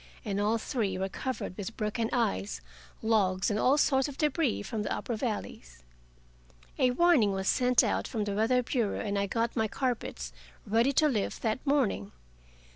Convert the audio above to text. And all three were covered with broken ice, logs, and all sorts of debris from the upper valleys. A warning was sent out from the weather bureau, and I got my carpets ready to lift that morning.